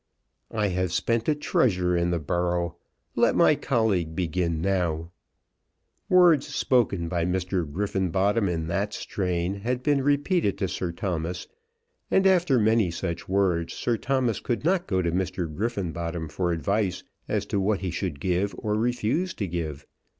"I have spent a treasure in the borough. Let my colleague begin now." Words spoken by Mr. Griffenbottom in that strain had been repeated to Sir Thomas; and, after many such words, Sir Thomas could not go to Mr. Griffenbottom for advice as to what he should give, or refuse to give.